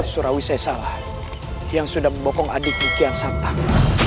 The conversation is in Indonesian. surawi saya salah yang sudah membokong adik mikian santang